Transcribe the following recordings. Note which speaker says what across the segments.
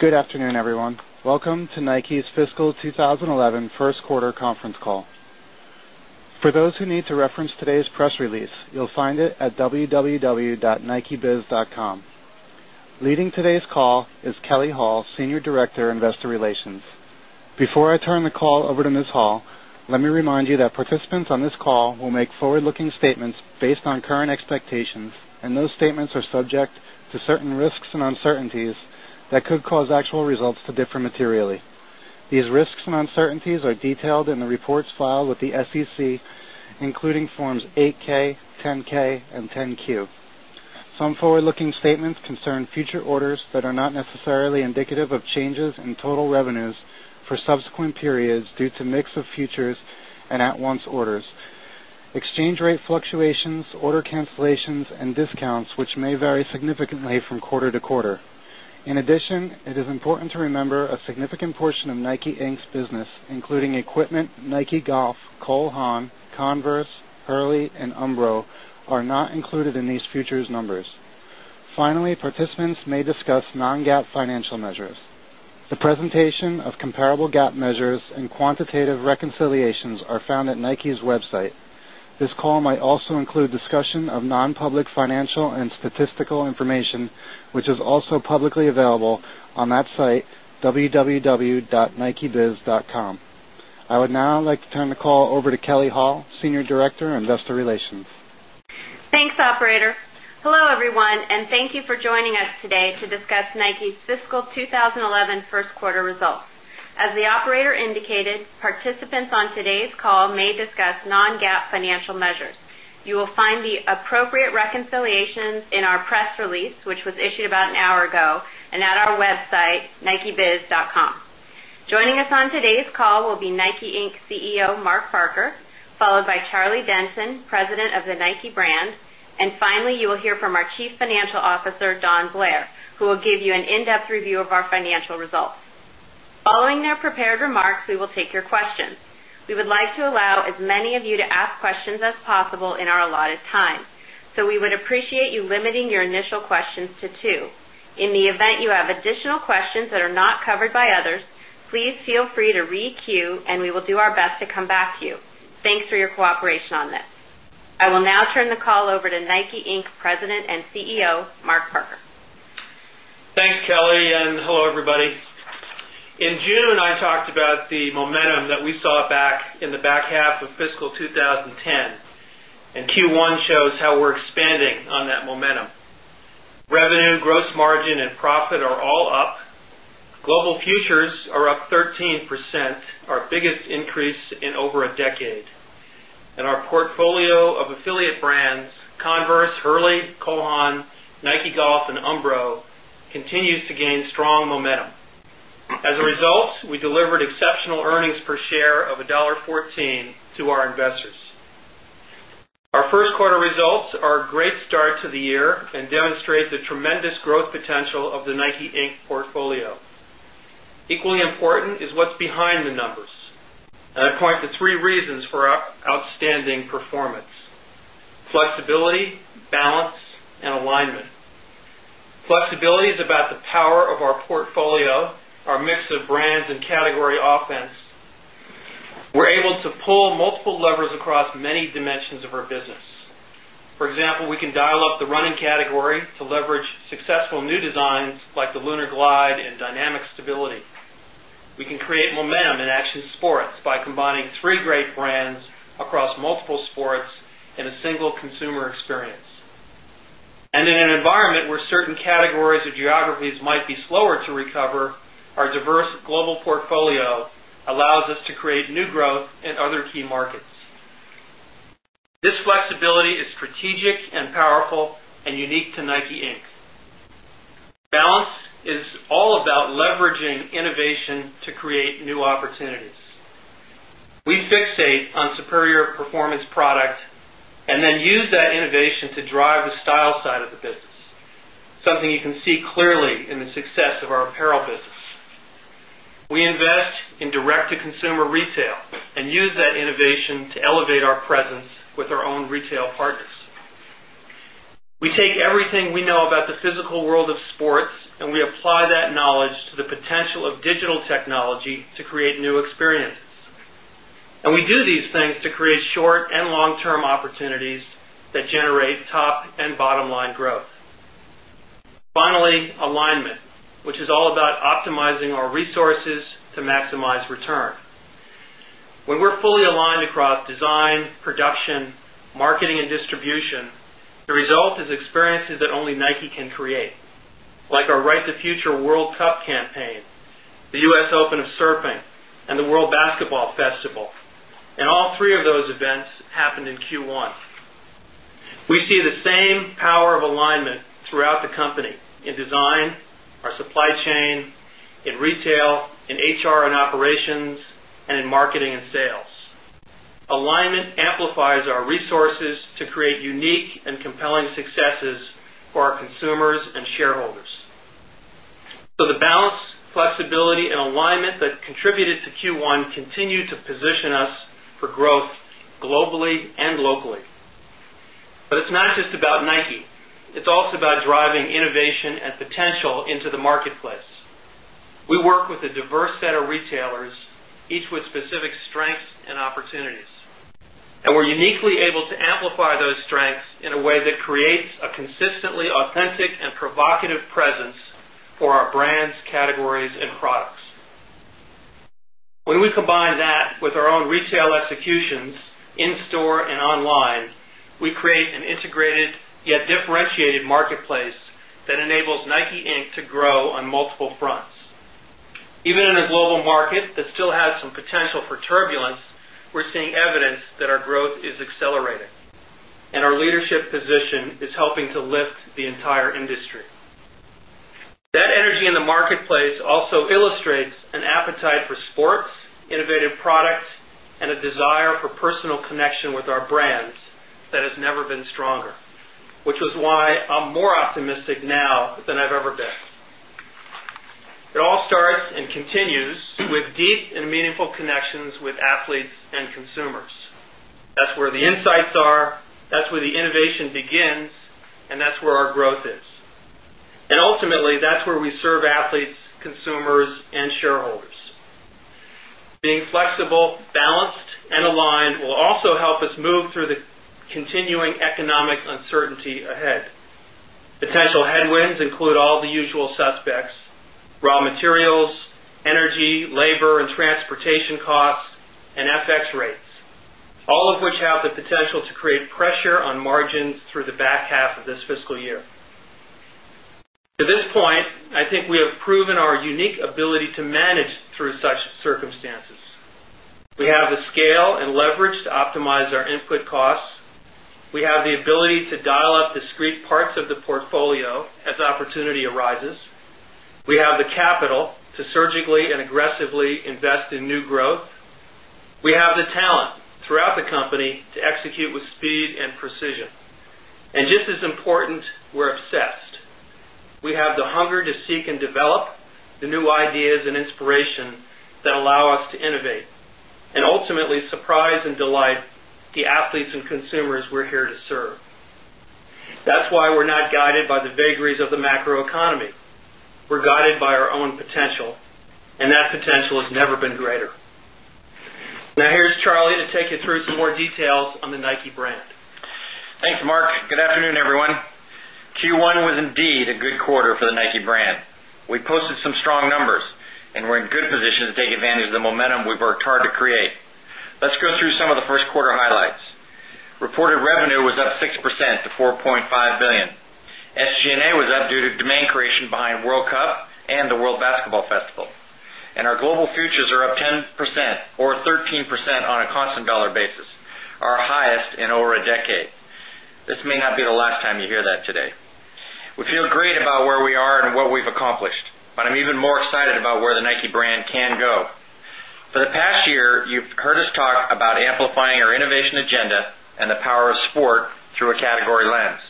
Speaker 1: Good afternoon, everyone. Welcome to NIKE's Fiscal 2011 First Quarter Conference Call. For those who need to reference today's press release, you'll find it at www.nikebiz.com. Leading today's call is Kelly Hall, Senior Director, Investor Relations. Before I turn the call over to Ms. Hall, let me remind you that participants on this call will make forward looking statements based on current expectations, and those statements are subject to certain risks and uncertainties that could cause actual results to differ materially. These risks and uncertainties are detailed in the reports filed with the SEC, including Forms 8 ks, 10 ks and 10 Q. Some forward looking statements concern future orders that are not necessarily indicative of changes in total revenues for subsequent periods due to mix of futures and at once orders, exchange rate fluctuations, order cancellations and discounts, which may vary significantly from quarter to quarter. In addition, it is important to remember a significant portion of NIKE, Inc. Business, including equipment, Nike Golf, Cole Hahn, Converse, Hurley and Umbro are not included in these futures numbers. Finally, participants may discuss non GAAP financial measures. The presentation of comparable GAAP measures and quantitative reconciliations are found at NIKE's website. This call might include discussion of non public financial and statistical information, which is also publicly available on that site, www.nikebiz. Com. I would now like to turn the call over to Kelly Hall, Senior Director, Investor Relations.
Speaker 2: Thanks, operator. Hello, everyone, and thank you for joining us today to discuss NIKE's fiscal 2011 Q1 results. As the operator indicated, participants on
Speaker 3: today's call may discuss non GAAP financial measures.
Speaker 2: You will find the website, nikibiz.com. Joining us on today's call site, nikebiz.com. Joining us on today's call will be NIKE, Inc. CEO, Mark Parker followed by Charlie Denson, President of the Nike Brand and finally, you will hear from our Chief Financial Officer, Don Blair, who will give you an in-depth review of our financial results. Following their prepared remarks, we will take your questions. We would like to allow as many of you to ask questions as possible in our allotted time. So we would appreciate you limiting your initial questions to 2. In the event you have additional questions that are not covered by others, please feel free to re queue and we will do our best to come back to you. Thanks for your cooperation on this. I will now turn the call over to NIKE, Inc. President and CEO, Mark Parker.
Speaker 4: Thanks, Kelly, and hello, everybody. In June, I talked about the momentum that we saw back in the back half of fiscal twenty ten and Q1 shows how we're expanding on that momentum. Revenue, portfolio of affiliate brands Converse, Hurley, Cohan, Nike Golf and Umbro continues to gain strong momentum. As a result, we delivered exceptional earnings per share of $1.14 to our investors. Our first quarter results are a great start to the year and demonstrate the tremendous growth potential of the NIKE, Inc. Portfolio. Equally important is what's behind the numbers. And I point to 3 reasons for our outstanding performance flexibility, balance and alignment. Flexibility is about the power of our portfolio, our mix of brands and category offense. We're able to pull multiple levers many dimensions of our business. For example, we can dial up the running category to leverage successful new designs like the Lunar Glide and Dynamic Stability. We can create momentum in action sports by combining 3 great brands across multiple sports in a single consumer experience. And in an environment where certain categories or geographies might be slower to recover, our diverse global portfolio allows us to create new growth in other key markets. This flexibility is strategic and powerful and unique to NIKE, Inc. Balance is all about leveraging innovation to create new opportunities. We fixate on superior performance product and then use that innovation to drive the style side of the business, something you can see clearly in elevate our presence with our own retail partners. We take everything we know about the physical world of sports and we apply that knowledge to and bottom line growth. Finally, alignment, which is all about optimizing our resources to maximize return. When we're fully aligned across design, production, marketing and distribution, the result is experiences that only Nike can create, like our our happened in Q1. We see the same power of alignment throughout the company in design, our supply chain, in retail, in HR and operations, and in marketing and sales. Alignment amplifies our resources to create unique and compelling successes for our consumers and shareholders. So the balance, flexibility and alignment So the balance, flexibility and alignment that contributed to Q1 continue to position us for growth globally and locally. But it's not just about NIKE, it's also about driving innovation and potential into the marketplace. We work with a diverse set of retailers, each with specific strengths and opportunities. And we're uniquely able to amplify those strengths in a way that creates a consistently authentic and provocative presence for our brands, categories and products. When we combine that with our own retail executions in fronts. Even in a global market that still has some potential for turbulence, we're seeing evidence that our growth is accelerating. And our leadership position is helping to lift the entire industry. That energy in the marketplace also illustrates That energy in the marketplace also illustrates an appetite for sports, innovative products and a desire for personal connection with our brands that has never been stronger, which was why I'm optimistic now than I've ever been. It all starts and continues with deep and meaningful connections with athletes and consumers. That's where the insights are, that's where the innovation begins and that's where our growth is. And ultimately, that's where we serve athletes, consumers and shareholders. Being flexible, balanced and aligned will also help us move through the continuing economic uncertainty ahead. Potential headwinds include all the usual suspects, raw materials, energy, labor and transportation costs, and FX rates, all of which have the potential to create pressure on margins through the back half of this fiscal year.
Speaker 5: To this point, I think
Speaker 4: we have proven our unique ability to manage through such circumstances. We have the scale and leverage to optimize our input costs. We have the ability to dial up discrete parts of the portfolio as opportunity arises. We have the capital to surgically and aggressively invest in new growth. We have the talent throughout the company to execute with speed and precision. And just as important, we're obsessed. Have the hunger to seek and develop the new ideas and inspiration that allow us to innovate and ultimately surprise and delight the athletes and consumers we're here to serve. That's why we're not guided by the vagaries of the macro economy. We're guided by our own potential and that potential has never been greater. Now, here's Charlie to take you through some more details on the NIKE brand. Thanks, Mark.
Speaker 6: Good afternoon, everyone. Q1 was indeed a good quarter for the NIKE brand. We posted some strong numbers and we're in good position to advantage of the momentum we've worked hard to create. Let's go through some of the Q1 highlights. Reported revenue was up 6% to $4,500,000,000 SG and A was up due to demand creation behind World Cup and the World Basketball Festival. And our global futures are up 10% or 13% on a constant dollar basis, our highest in over a decade. This may not be the last time you hear that today. We feel great about where we are and what we've accomplished, but I'm even more excited about where the NIKE brand can go. For the past year, you've heard us talk about amplifying our innovation agenda and the power of sport through a category lens.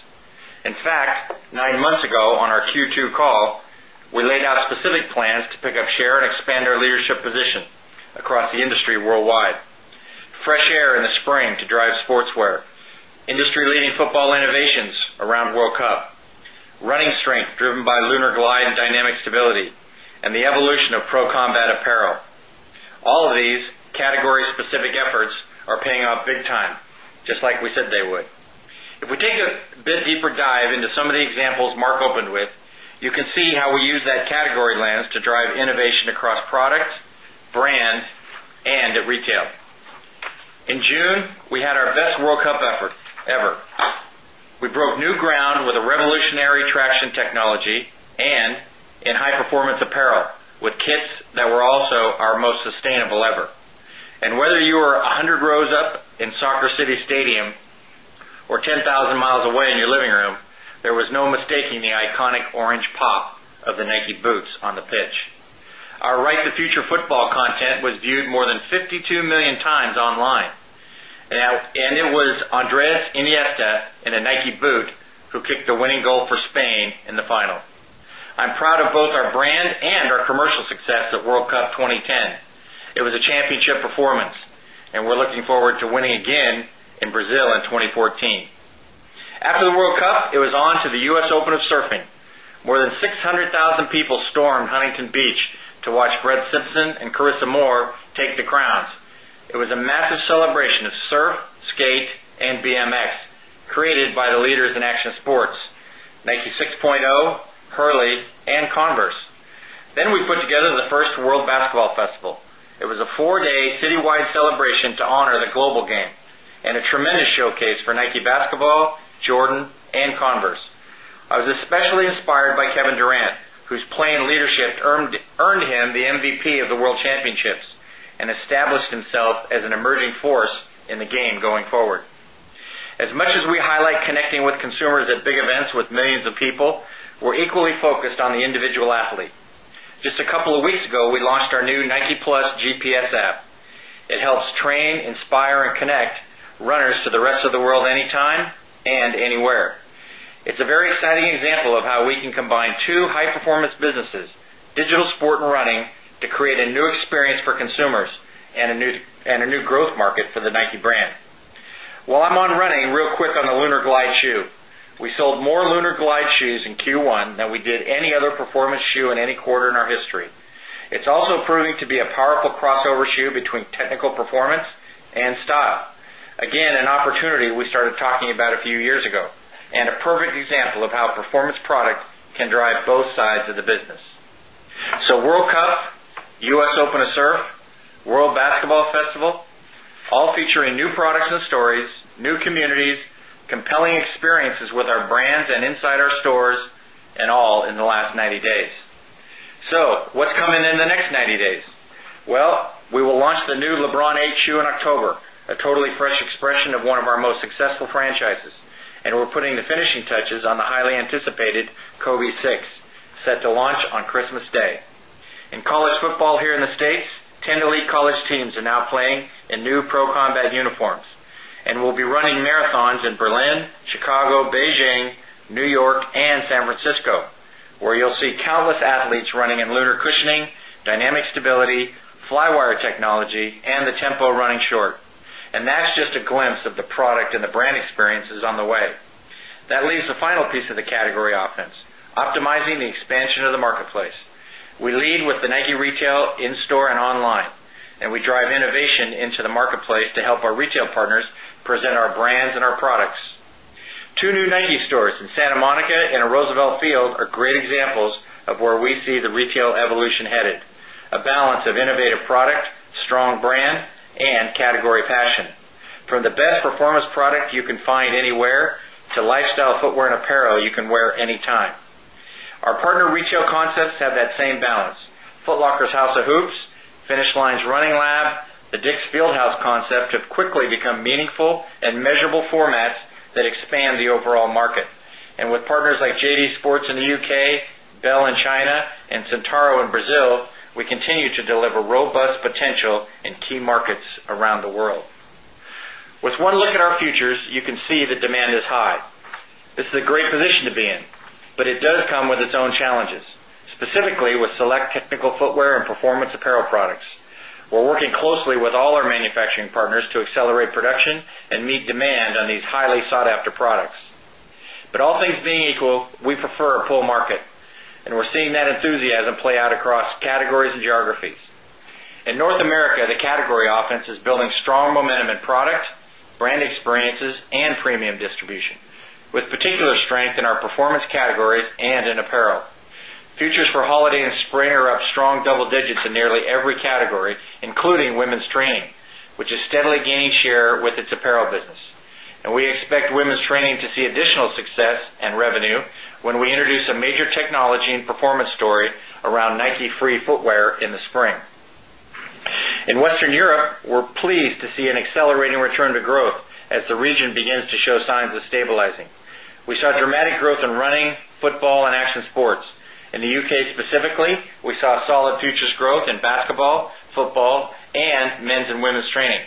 Speaker 6: In fact, 9 months ago on our Q2 call, we laid out specific plans to pick up share and expand our leadership position across the industry worldwide. Fresh air in the spring to drive sportswear, industry leading football innovations around World Cup, running strength driven by Lunar Glide and dynamic stability and the evolution of Pro Combat Apparel. All of these category specific efforts are paying off big time, just like we said they would. If we take a bit deeper dive into some of the examples Mark opened with, you can see how we use that category lens to drive innovation across products, brands and at retail. In June, we had our best World Cup effort ever. We broke new ground with a revolutionary traction technology and in high performance apparel with kits that were also our most sustainable ever. And whether you are 100 rows up in Soccer City Stadium or 10000 miles away in your living room, there was no mistaking the iconic orange pop of the Nike boots on the pitch. Our Right to Future football content was viewed more than 52,000,000 times online, and it was Andres Iniesta in a Nike boot who kicked the winning goal for Spain in the final. I'm proud of both our brand and our commercial success at World Cup 2010. It was a championship performance, and we're looking forward to winning again in Brazil in 2014. After the World Cup, it was on to the U. S. Open of Surfing. More than 600,000 people stormed Huntington Beach to watch Brett Simpson and Carissa Moore take the crowns. It was a massive celebration of surf, skate and BMX created by the leaders in action sports, Nike 6.0, Hurley and Converse. Then we put together the 1st World Basketball Festival. It was a 4 day citywide celebration to honor the global game and a tremendous showcase for NIKE Basketball, Jordan and Converse. I was especially inspired by Kevin Durant, whose play and leadership earned him the MVP of the World Championships and established himself as an emerging force in the game going forward. As much as we highlight connecting with consumers at big events with millions of people, we're equally focused on the individual athlete. Just a couple of weeks ago, we launched our Nike Plus GPS app. It helps train, inspire and connect runners to the rest of the world anytime and anywhere. It's very exciting example of how we can combine 2 high performance businesses, digital sport and running to create a new experience for consumers and a new growth market for the Nike brand. While I'm on running real quick on the Lunar Glide shoe. We sold more Lunar Glide shoes in Q1 than we did any other performance shoe in any quarter in our history. It's also proving to be a powerful crossover shoe between technical performance and style, again an opportunity we started talking about a few years ago and a perfect example of how performance product can drive both sides of the business. So World Cup, U. S. Open a Surf, World Basketball Festival, all featuring new products and stories, new communities, compelling experiences with our brands and inside our stores and all in the last 90 days. So what's coming in the next 90 days? Well, we will launch new LeBron 8 shoe in October, a totally fresh expression of one of our most successful franchises, and we're putting the finishing touches on the highly anticipated Kobe set to launch on Christmas Day. In college football here in the States, tend to lead college teams are now playing in new pro combat uniforms and will be in lunar cushioning, dynamic stability, flywire technology and the tempo running short. And that's just a glimpse of the product and the brand experiences on the way. That leaves the final piece of the category offense, optimizing the expansion of the marketplace. We lead with the NIKE Retail in store and online, and we drive innovation into the marketplace to help our retail partners present our brands and our products. 2 new NIKE stores in Santa Monica and a Roosevelt field are great examples of where we see the retail evolution headed, a balance of innovative product, strong brand and category passion. From the best performance product you can find anywhere to lifestyle footwear and apparel you can wear anytime. Our partner retail concepts have that same balance. Foot Locker's House of Hoops, Finish Line's Running Lab, the DICK'S Field House concept have quickly become meaningful and measurable formats that expand the overall market. And with partners like JD Sports in the UK, Bell in China, Centaro in Brazil, we continue to deliver robust potential in key markets around the world. With one look at our futures, you can see the demand is high. This is a great position to be in, but it does come with its own challenges, specifically with select technical footwear and performance apparel products. We're closely with all our manufacturing partners to accelerate production and meet demand on these highly sought after products. But all things being equal, we prefer a pull market, and we're seeing that enthusiasm play out across categories and geographies. In North America, the category offense is building strong momentum in products, brand experiences and premium distribution, with particular strength in our performance categories and in apparel. Futures for holiday and spring are up strong double digits in nearly every category, including women's training, which is steadily gaining share with its apparel business. And we expect women's training to see additional success and revenue when we introduce a major technology and performance story around Nike Free Footwear in the spring. In Western Europe, we're pleased to see an accelerating return to growth as the region begins to show signs of stabilizing. We saw dramatic growth in running, football and action sports. In the UK specifically, we saw solid futures growth in basketball, football and men's and women's training.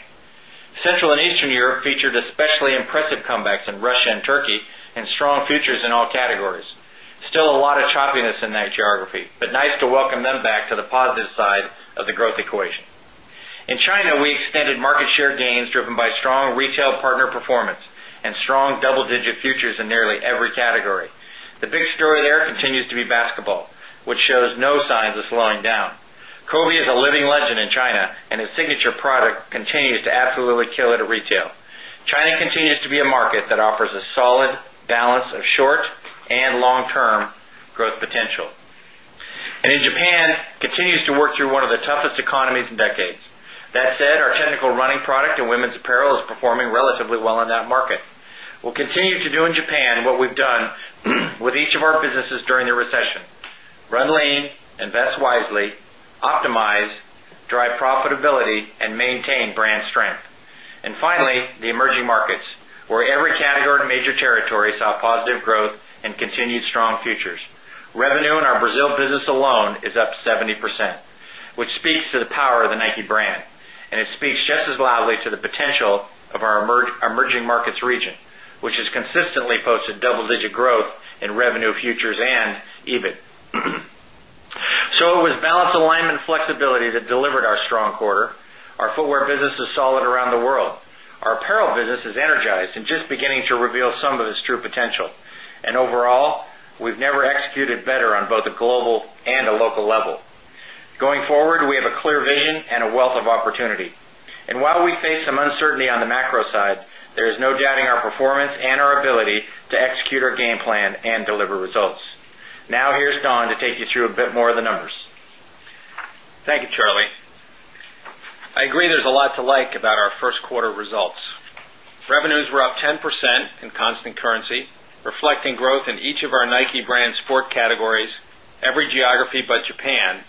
Speaker 6: Central and Eastern Europe featured especially impressive comebacks in Russia and Turkey and strong in all categories. Still a lot of choppiness in that geography, but nice to welcome them back to the positive side of the growth equation. In China, we extended market share gains driven by strong retail partner performance and strong double digit futures in nearly category. The big story there continues to be basketball, which shows no signs of slowing down. Covi is a living legend in China and its signature product continues to absolutely kill it at retail. China continues to be a market that offers a solid balance of short and long term growth potential. And in Japan, continues to work through one of the toughest economies in decades. That said, our technical product in women's apparel is performing relatively well in that market. We'll continue to do in Japan what we've done with each of our businesses during the recession, run lean, invest wisely, optimize, drive profitability and maintain brand strength. And finally, the emerging 70%, which speaks to the power of the NIKE brand, and it speaks just as loudly to the potential of our emerging markets region, which has consistently posted double digit growth in revenue, futures and EBIT. So it was balanced alignment flexibility delivered our strong quarter. Our footwear business is solid around the world. Our apparel business is energized and just beginning to reveal some of its true potential. And overall, we've never executed better on both the global and a local level. Going forward, we
Speaker 4: have a clear vision and
Speaker 6: a wealth of opportunity. And while we face you through a bit more of the numbers.
Speaker 5: Thank you, Charlie. I agree there's a lot to like about our Q1 results. Revenues were up 10 percent in constant currency, reflecting growth in each of our NIKE brand sport categories, every geography but Japan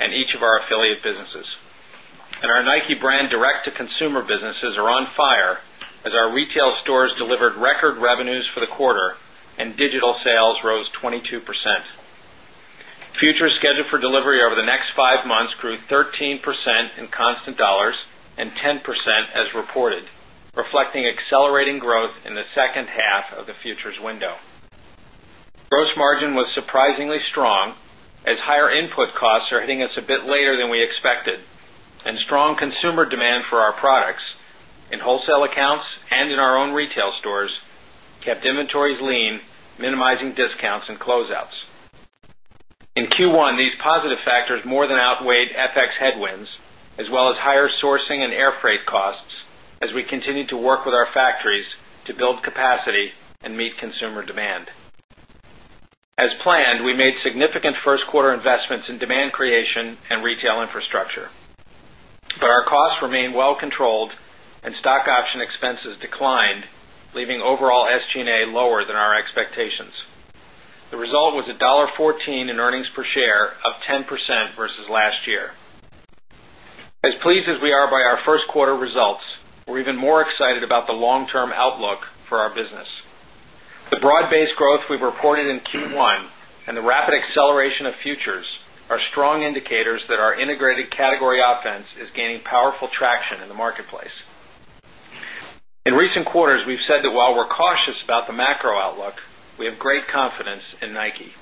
Speaker 5: and each of our affiliate businesses. And our NIKE brand direct to consumer businesses are on fire as our retail stores delivered record for the quarter and digital sales rose 22%. Future scheduled for delivery over the next 5 months grew 13 percent in constant dollars and 10% as reported, reflecting accelerating growth in the second half of the futures window. Gross margin was surprisingly strong as higher input costs are hitting us a bit later than we expected and strong consumer In Q1, these positive factors more than outweighed FX headwinds, as well as higher sourcing and airfreight costs as we continue to work with our factories to build capacity and meet consumer demand. As planned, we made significant first quarter investments in demand creation and retail infrastructure. But our costs remain well controlled and stock option expenses declined, leaving overall SG and A lower than our expectations. The result was $1.14 in earnings per share, up 10% versus last year. As pleased as we are by our Q1 results, we're even more excited about the long term outlook for our business. The broad based growth we've reported in Q1 and the rapid acceleration of futures are strong indicators that our integrated category offense is powerful traction in the marketplace. In recent quarters, we've said that while we're cautious about the macro outlook, we have great confidence in NIKE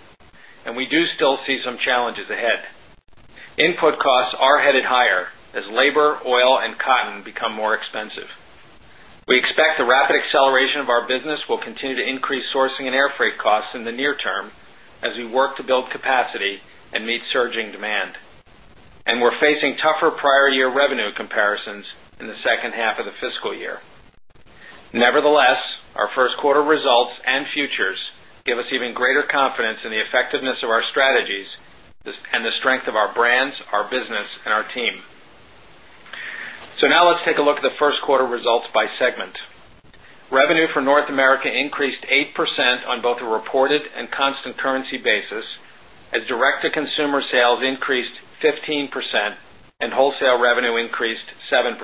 Speaker 5: and we do still see some challenges ahead. Input costs are headed higher as labor, oil and cotton become more expensive. The rapid acceleration of our business will continue to increase sourcing and airfreight costs in the near term as we work to build capacity and meet surging demand. And we're facing tougher prior year revenue comparisons in the second half of the fiscal year. Nevertheless, our first quarter results and futures give us even greater confidence in the effectiveness of our strategies and the strength of our brands, our business and our team. So now let's take a look at the Q1 results by segment. Revenue for North America increased 8% on both a reported and constant currency basis as direct to consumer sales increased 15% and wholesale revenue increased 7%.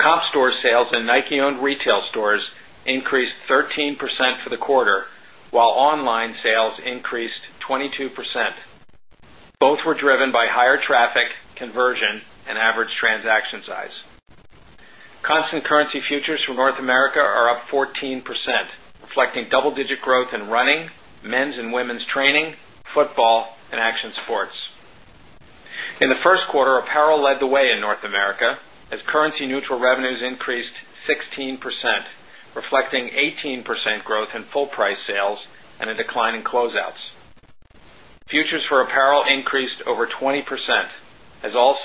Speaker 5: Comp store sales in NIKE owned retail stores increased 13% for the quarter, while online sales increased Constant currency futures for North America are up 14%, reflecting double digit growth in running, men's and women's training, football and action sports. In the Q1, apparel led the way in North America as currency neutral revenues increased 16%, reflecting 18% growth in full price sales and a decline in closeouts. Futures for apparel increased over 20% as all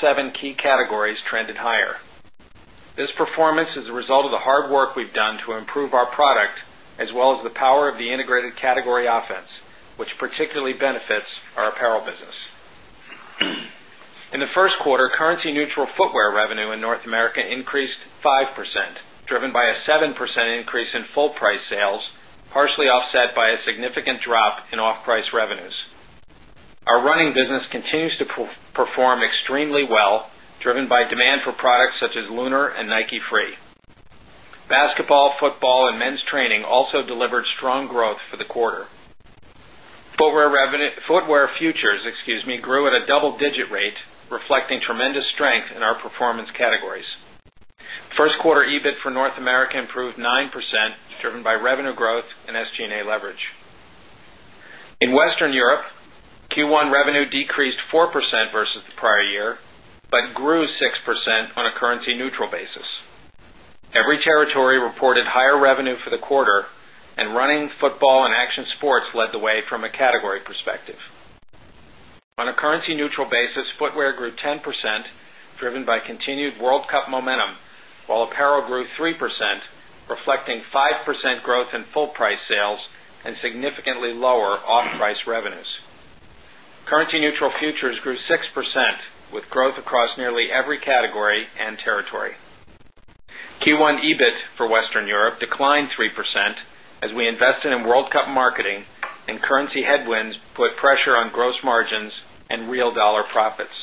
Speaker 5: increased 5%, driven by a 7% increase in full price sales, partially offset by a significant drop in off price revenues. Our Lunar and Nike Free. Basketball, football and men's training also delivered strong growth for the quarter. Footwear futures, excuse me, grew at a double digit rate reflecting tremendous strength in our performance categories. 1st quarter EBIT for North America improved 9% driven by revenue growth
Speaker 6: and
Speaker 5: and World Cup momentum, while apparel grew 3%, reflecting 5% growth in full price sales and Q1
Speaker 3: EBIT for
Speaker 5: Western Europe declined 3% Q1 EBIT for Western Europe declined 3% as we invested in World Cup marketing and currency headwinds put pressure on gross margins and real dollar profits.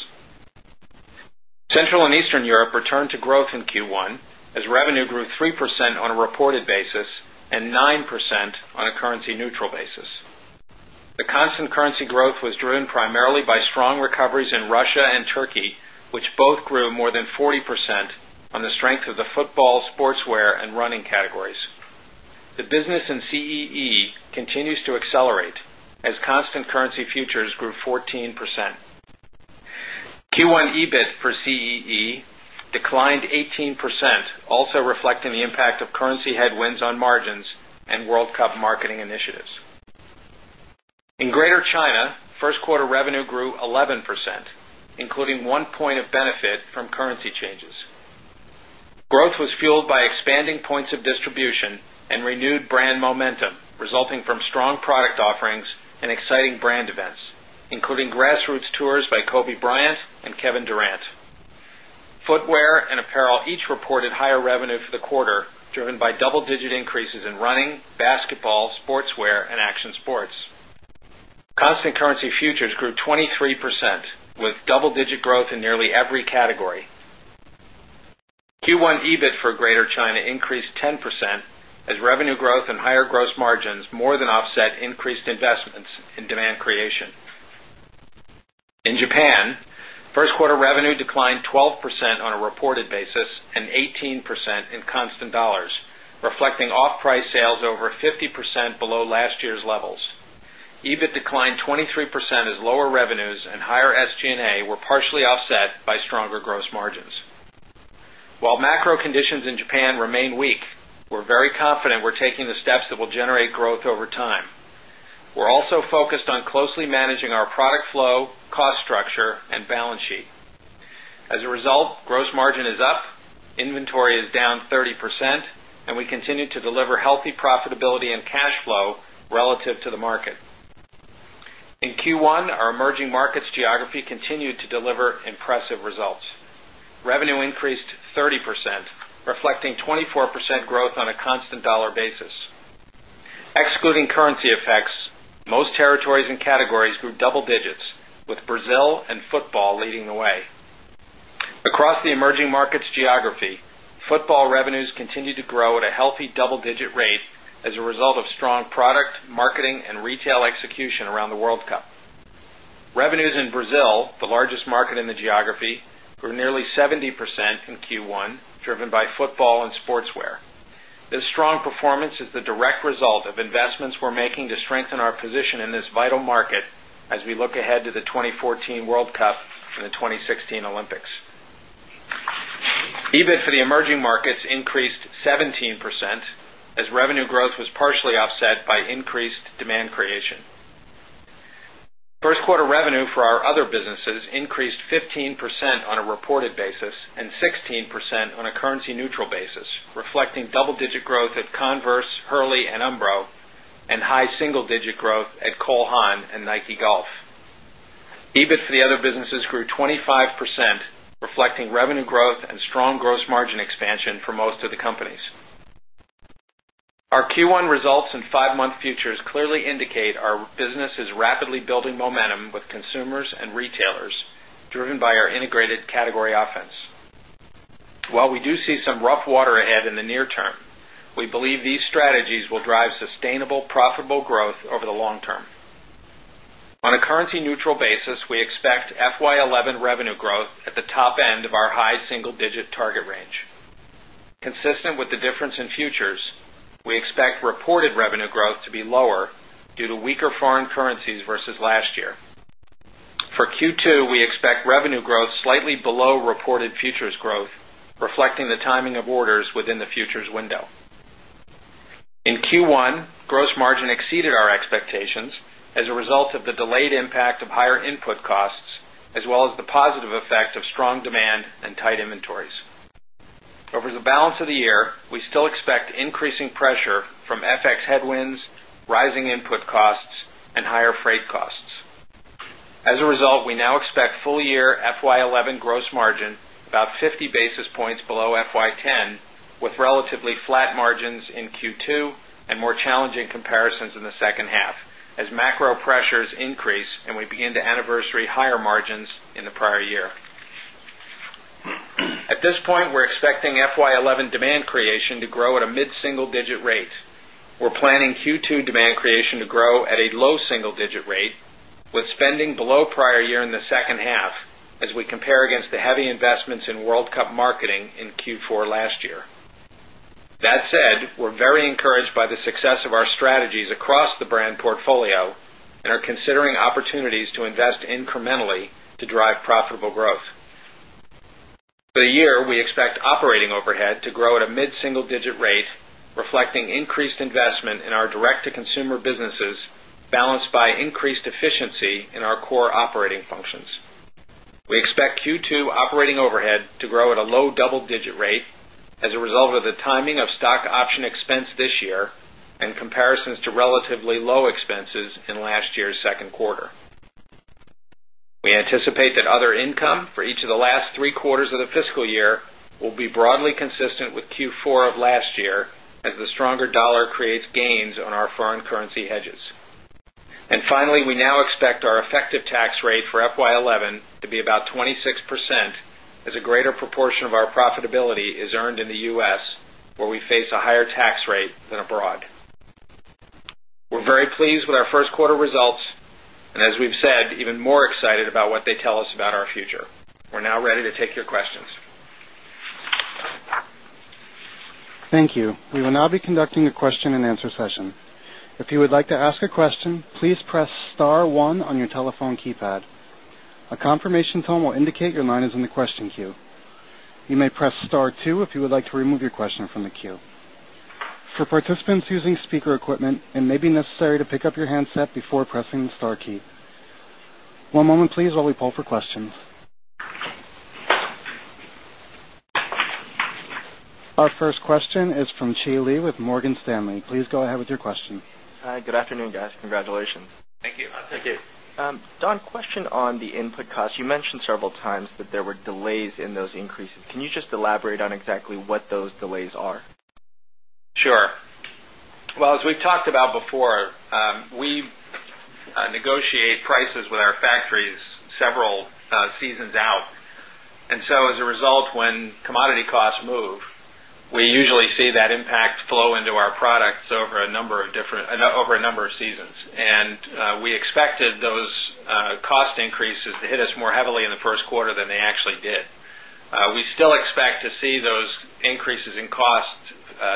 Speaker 5: Central and Eastern Europe returned to growth in Q1 as revenue grew 3% on a reported basis 9% on a currency neutral basis. The constant currency growth was driven primarily by strong recoveries in Russia and Turkey, which both grew more constant currency futures grew 14%. As constant currency futures grew 14%. CEE declined 18%, also reflecting the impact of currency headwinds on margins and World Cup marketing initiatives. In Greater China, 1st quarter revenue grew 11%, including one point of benefit from currency changes. Growth was fueled by expanding points of distribution and renewed brand momentum resulting from strong product offerings and exciting brand events, including grassroots tours by Kobe Bryant and Kevin Durant. Footwear and apparel each reported higher revenue for the quarter, driven by 23% with double digit growth in nearly every category. Q1 EBIT for Greater China increased 10% as revenue growth and higher gross margins more than offset increased investments in demand creation. In Japan, 1st quarter revenue declined 12% on a reported basis and 18% in constant dollars, reflecting off price sales over 50% below last year's levels. EBIT declined 23% as lower revenues and higher SG and A were partially offset by stronger gross margins. While macro conditions in Japan remain weak, we're very confident we're taking the steps that will generate growth over time. We're also 30% and we continue to deliver healthy profitability and cash flow relative to the market. In Q1, our emerging markets geography continued to deliver impressive results. Revenue increased 30%, reflecting 24% growth on a constant dollar basis. Excluding currency effects, most territories and categories grew double digits with Brazil and football leading the way. Across the emerging markets geography, football revenues continue to grow at a healthy double digit rate as a result of strong product, marketing and geography grew nearly 70% in Q1, driven by football and sportswear. This strong performance is the direct result of investments we're making to strengthen our position in this vital market as we look ahead to the 2014 World Cup and the 2016 Olympics. EBIT for the emerging 1st quarter revenue for our other businesses increased 15% on a reported basis and 16% on neutral basis, reflecting double digit growth at Converse, Hurley and Umbro and high single digit growth at Cole Haan and Nike Golf. EBIT for the other businesses grew 25%, reflecting revenue growth and strong gross margin expansion for most of the companies. Our Q1 results and 5 month futures clearly indicate our business is rapidly building momentum with consumers and retailers, driven by our integrated category offense. While we do see some rough water ahead in the near term, expect FY 'eleven revenue growth at the top end of our high single digit target range. Consistent with the difference in futures, we expect reported revenue growth to be lower due to weaker foreign currencies versus last year. For Q2, we expect revenue growth below reported futures growth reflecting the timing of orders within the futures window. In Q1, gross margin exceeded our expectations as a result of the delayed impact of higher input costs, as well as the positive effect of strong demand and tight inventories. Over the balance of the year, we still expect increasing pressure from FX headwinds, rising input costs and higher freight costs. As a result, we now expect full year FY 2011 gross margin about 50 basis points below FY 2010 with relatively flat margins in Q2 and more challenging comparisons in the second half as macro pressures increase and we begin to anniversary demand creation to grow at a mid single digit rate. We're planning
Speaker 6: Q2 demand creation to grow at a low single digit
Speaker 5: rate with spending below prior year in the second half as we compare against the heavy investments in the year, we expect operating overhead to grow at a mid single digit rate reflecting increased investment in our direct to consumer businesses balanced by increased efficiency in our core operating functions. We expect Q2 operating overhead to grow at a low double digit rate as a result of the timing of stock option income for each of the last three quarters of the fiscal year will be broadly consistent with Q4 of last year as the stronger dollar creates gains on our foreign currency hedges. And finally, we now expect our effective tax rate for FY 2011 to be about 26% as a greater proportion of our profitability is earned in the U. S. Where we face a higher tax rate than abroad. We're very pleased with our first quarter results. And as we've said, even more excited about what they tell us about our future. We're now ready to take your questions.
Speaker 1: Thank you. We will now be conducting Our first question is from Chi Lee with Morgan Stanley. Please go ahead with your question.
Speaker 7: Hi, good afternoon guys. Congratulations. Thank
Speaker 8: you. Thank you.
Speaker 7: Don, question on the input costs, you mentioned several times that there were delays in those increases. Can you just elaborate on exactly what those delays are?
Speaker 5: Sure. Well, as we've talked about before, we negotiate prices with our factories several seasons out.
Speaker 4: And so as
Speaker 5: a result, when commodity costs move, we usually see that impact flow into our products over a number of different over a number of seasons. And we expected those cost increases to hit us more heavily in the Q1 than they actually did. We still expect to see those increases in cost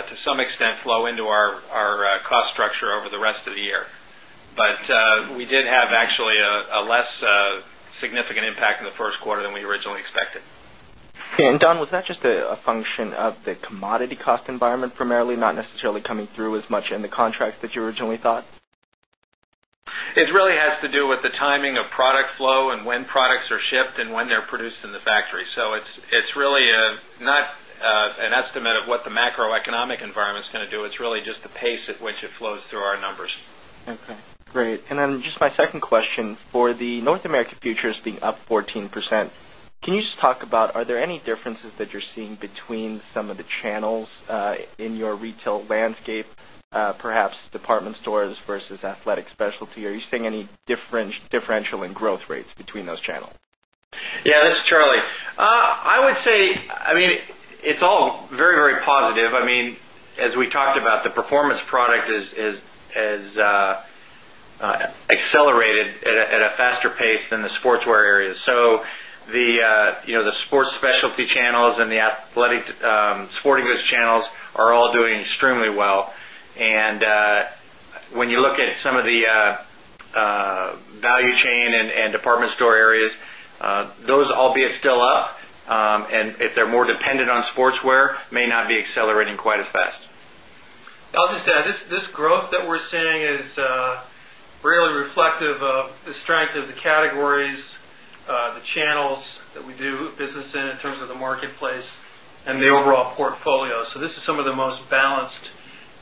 Speaker 5: to some extent flow our cost structure over the rest of the year. But we did have actually a less significant impact in the Q1 than we originally expected.
Speaker 7: And Don, was that just a function of the commodity cost environment primarily not necessarily coming through as much in the contracts that you originally thought?
Speaker 5: It really has to do with the timing of product flow and when products are shipped and when they're produced in the factory. So it's really not an estimate of what the macroeconomic environment is going to do. It's really just the pace at which it flows through our numbers.
Speaker 8: Okay, great.
Speaker 7: And then just my second question for the North American futures being up 14%, can you just talk about are there any differences that you're seeing between some of the channels in your retail landscape, perhaps department stores versus athletic specialty? Are you seeing any differential in growth rates between those channels?
Speaker 6: Yes, this is Charlie. I would say, I mean, it's all very, very positive. I mean, as we talked about the performance product is accelerated at a faster pace than the sportswear area. So the sports specialty channels and the athletic sporting goods channels are all doing extremely well. And when you look at some of the value chain and department store areas, those albeit still up. And if they're more dependent on sportswear, may not be accelerating quite as fast.
Speaker 4: I'll just add, this growth that we're seeing is really reflective of the strength of the categories, the channels that we do business in terms of the marketplace and the overall portfolio. So, this is some of the most balanced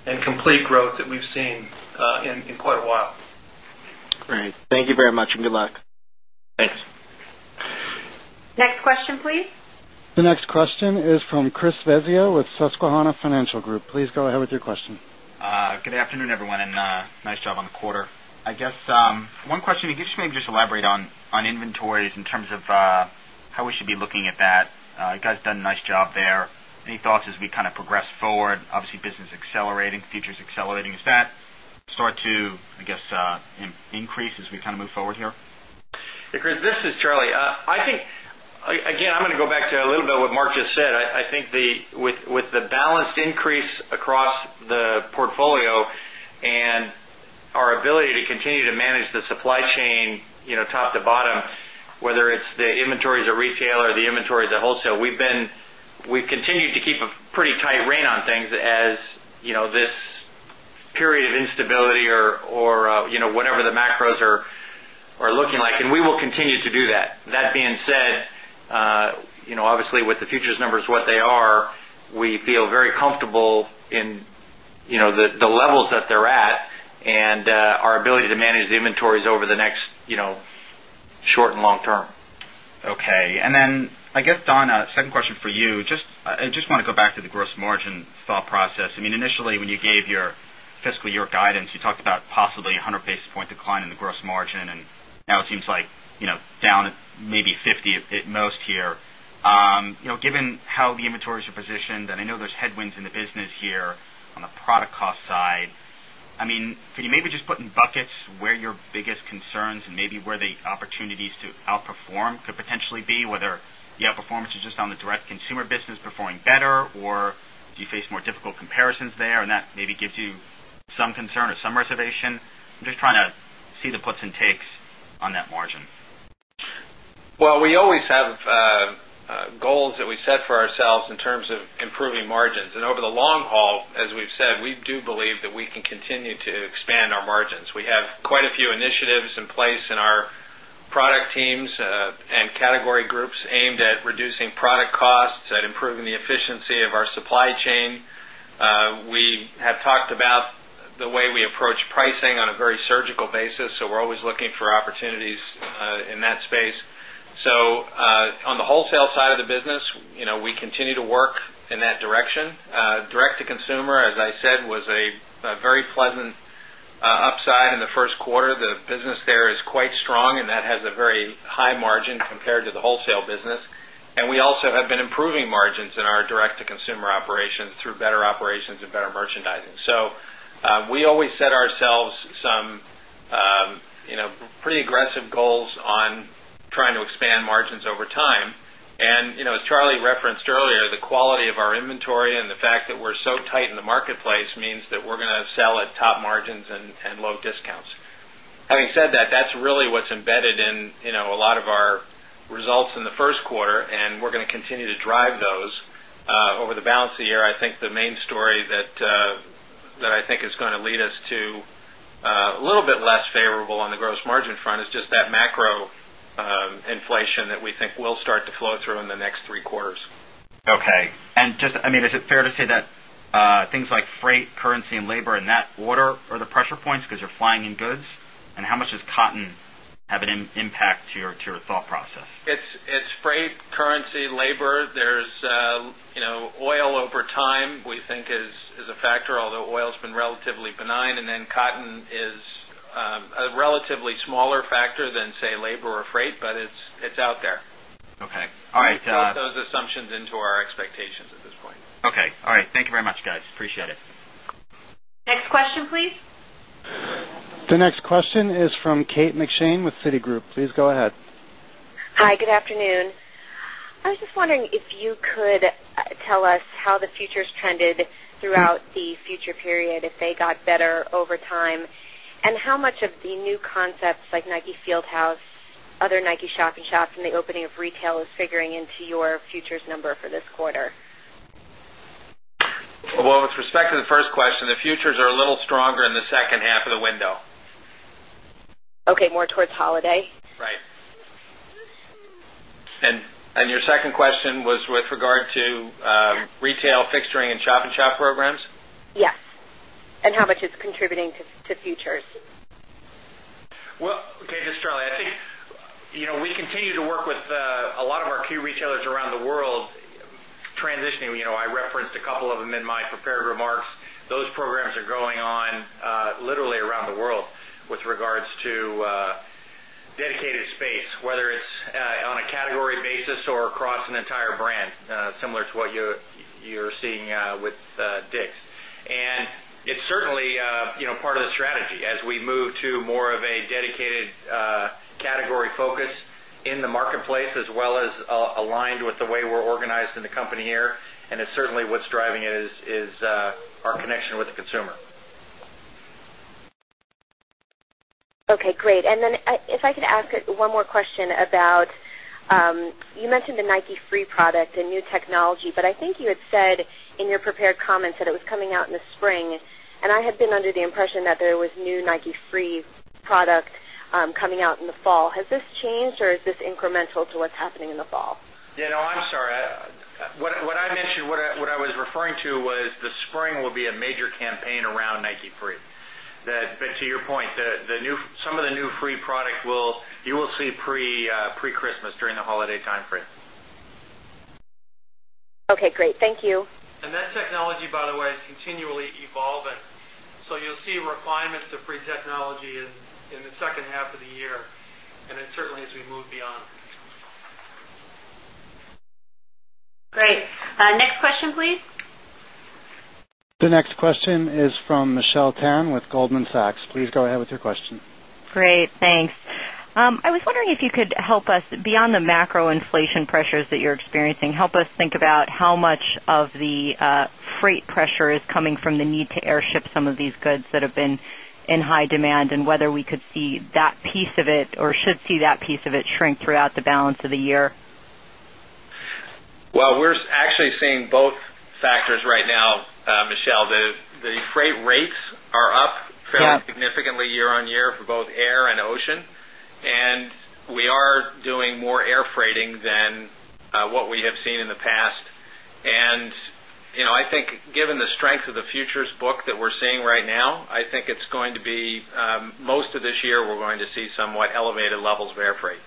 Speaker 4: and complete growth that we've seen in quite a while. Great.
Speaker 7: Thank you very much. Good luck.
Speaker 2: Thanks. Next question please.
Speaker 1: The next question is from Chris Vezio with Susquehanna Financial Group. Please go ahead with your question.
Speaker 9: Good afternoon, everyone, and nice job on the quarter. I guess, one question, if you could just maybe elaborate on inventories in terms of how we should be looking at that? You guys done a nice job there. Any thoughts as we kind of progress forward? Obviously, business accelerating, features accelerating. Is that start to, I guess, increase as we kind of move forward here?
Speaker 6: Chris, this is Charlie. I think, again, I'm going to go back to a little bit what Mark just said. I think the with the balanced increase across the portfolio and our ability to continue to manage the supply chain top to bottom, whether it's the inventory of the retailer, the inventory of the wholesale, we've been we've continued to keep a pretty tight on things as this period of instability or whatever the macros are looking like and we will continue obviously, with the futures numbers, what they are, we feel very comfortable in the levels that they're at and our ability to manage the inventories over the next short and long term.
Speaker 9: Okay. And then I guess, second question for you. Just I just want to go back to the gross margin thought process. I mean initially when you gave your fiscal year guidance, you talked about possibly 100 basis point decline in the gross margin and now it seems like down maybe 50 at most here. Given how the inventories positioned and I know there's headwinds in the business here on the product cost side. I mean, could you maybe just put in buckets where your biggest concerns and maybe where the opportunities to outperform could potentially be whether the outperformance is just on the direct consumer business performing better or do you face more difficult comparisons there and that maybe gives you some concern or some reservation? I'm just trying to see the puts and takes on that margin.
Speaker 5: Well, we always have goals that we set for ourselves in terms of improving margins. And over the long haul, as we've said, we do believe that we can continue to expand our margins. We have quite a initiatives in place in our product teams and category groups aimed at reducing product costs, at improving the efficiency of our supply chain. We have talked about the way we approach pricing on a very surgical basis. So we're always looking for opportunities in that space. 1st quarter. The a very pleasant upside in the Q1. The business there is quite strong and that has a very high margin compared to the wholesale business. And we also have been improving margins in our direct to consumer operations through better operations and better merchandising. So we always set ourselves some pretty aggressive goals on trying to expand margins over time. And as Charlie referenced earlier, the quality of our inventory and the fact that we're so tight in the marketplace means that we're going to sell at top margins and low discounts. Having said that, that's really what's embedded in a lot of our results in the Q1 and we're going to continue to drive those over the balance of the year. I think the main story that I think is going to lead us to a little bit less favorable on the gross margin front is just that macro inflation that we think will start to flow through in the next three quarters.
Speaker 9: Okay. And just I mean is it fair to say that things like freight, currency and labor in that order are the pressure points because you're flying in goods and how much does cotton have an impact to your thought process?
Speaker 5: It's freight, currency, labor. There's is oil over time, we think is a factor, although oil has been relatively benign and then cotton is a relatively smaller factor than say labor or freight, but it's out
Speaker 6: there. Okay. All right.
Speaker 5: Put those assumptions into our expectations at this point.
Speaker 1: The next question is from Kate with Citigroup. Please go ahead.
Speaker 10: Hi, good afternoon. I was just wondering if you could tell us how the futures trended throughout the future period if they got better over time? And how much of the new concepts like Nike Fieldhouse, other Nike shop in shops and the opening of retail is figuring into your futures number for this quarter?
Speaker 5: Well, with respect to the first question, the futures are a little stronger in the second second question was with regard to retail, fixturing and shop in shop programs?
Speaker 10: Yes. And how much is contributing to futures?
Speaker 6: Well, okay, this is Charlie. I think we continue to work with a lot of our key retailers around the world transitioning. I referenced a couple of them in my prepared remarks. Those programs are going I to what you're seeing with Dick's. And it's certainly part of the strategy as we move more of a dedicated category focus in the marketplace as well as aligned with the way we're organized in the company here and it's certainly what's driving it is our connection with the consumer.
Speaker 10: Okay, great. And then if I could ask one more question about, you mentioned the Nike Free product and new technology, but I think you had said in your prepared comments that it was coming out in the spring and I had been under the impression that there was new Nike free product coming out in the fall. Has this changed or is this incremental to what's happening in the fall?
Speaker 6: Yes. No, I'm sorry. What I mentioned what I was referring to was the spring will be a major campaign around NIKE free. But to your point, the new some of the new free product will you will see pre Christmas during the holiday timeframe.
Speaker 10: Okay, great. Thank you.
Speaker 4: And that technology by the way is continually evolving. So you'll see refinements to free technology in the second half of the year and then certainly as we move beyond.
Speaker 2: Great. Next question please.
Speaker 1: The next question is from Michelle Tan with Goldman Sachs. Please go ahead with your question.
Speaker 11: Great. Thanks. I was wondering if you could help us beyond the macro inflation pressures that you're experiencing, help us think about how much of the freight pressure is coming from the need to airship some of these goods that have been in high demand and whether we could see that piece of it or should see that piece of it shrink throughout the balance of
Speaker 5: year? Well, we're actually seeing both factors right now, Michelle. The freight rates are up fairly significantly year on year for both air and ocean. And we are doing more air freighting than what we have in the past. And I think given the strength of the futures book that we're seeing right now, I think it's going to be most of this year, we're going to see somewhat elevated levels of airfreight.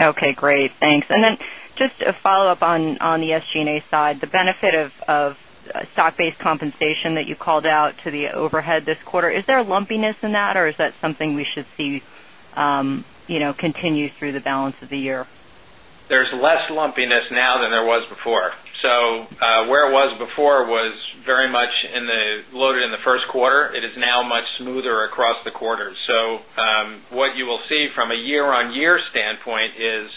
Speaker 11: Okay, great. Thanks. And then just a follow-up on the SG and A side, the benefit of stock based compensation that you called out to the overhead this quarter, is there a lumpiness in that or is that something we should see continue through the balance of the year?
Speaker 5: There is less lumpiness now than there was before. So where it was before was very much in the loaded in the Q1. It is now much smoother across the quarter. So what you will see from a year on year standpoint is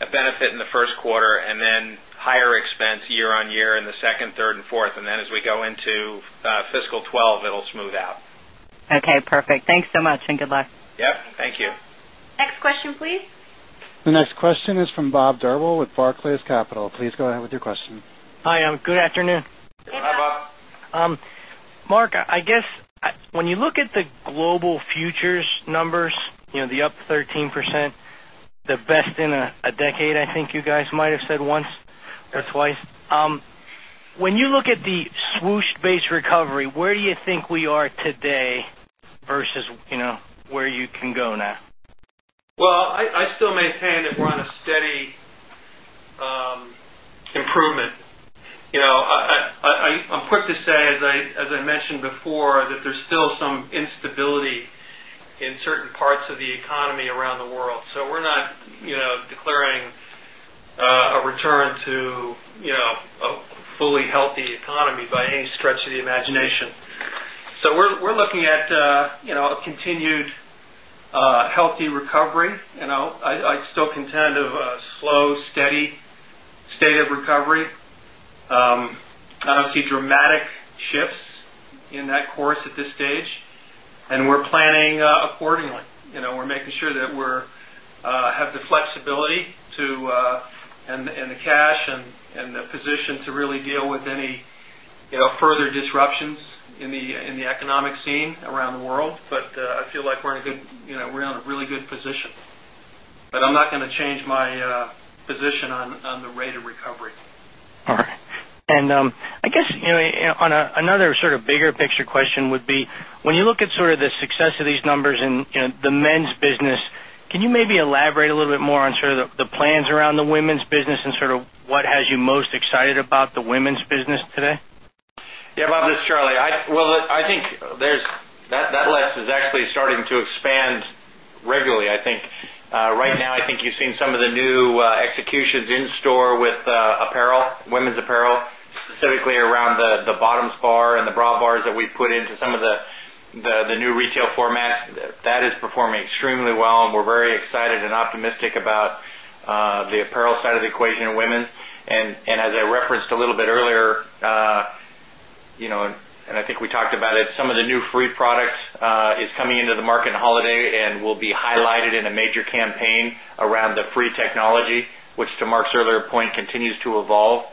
Speaker 5: a benefit in the Q1 and then higher expense year on year in the second, 3rd and 4th. And then as we go into fiscal 'twelve, it will smooth out.
Speaker 1: The next question is from Bob Drbul with Barclays Capital. Your question.
Speaker 12: Hi, good afternoon.
Speaker 3: Hi, Bob.
Speaker 12: Mark, I guess, when you look at the global futures numbers, the up 13%, the best in a decade, I think you guys might have said once or twice. When you look at the swoosh based recovery, where do you think we are today versus where you can go now?
Speaker 4: Well, I still maintain that we're on a steady improvement. I'm quick to say, as I mentioned before, that there's still some instability in certain parts of the economy around the world. So we're not declaring a return to fully healthy economy by any stretch of the imagination. So we're looking at continued healthy recovery. I still contend of a slow, steady state of recovery. I don't see dramatic shifts in that course at this stage and we're planning accordingly. We're have the flexibility to and the cash and the position to really deal with any further disruptions in the economic scene around the world. But I feel like we're in a good we're in a really good position. But I'm not going to change my position on the rate of recovery.
Speaker 3: All right.
Speaker 12: And I guess on another sort of bigger picture question would be, when you look at sort of the success of these numbers in the men's business, can you maybe elaborate a little bit more on sort of the plans around the women's business and sort of what has you most excited about the women's business today?
Speaker 6: Yes, Bob, this is Charlie. I think there is that list is actually starting to expand regularly. I Right now, I think you've seen some of the new executions in store with apparel, women's apparel, specifically around the bottoms bar and the bra bars that we put into some of the new retail formats, that is performing extremely well and we're very excited and optimistic about the apparel side of the equation women's. And as I referenced a little bit earlier,
Speaker 5: and I think we talked about it,
Speaker 6: some of the new free products is coming into the market on holiday and will be highlighted in a major campaign around the free technology, which to Mark's earlier point continues to evolve